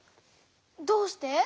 どうして？